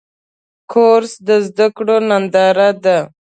کورس د زده کړو ننداره ده.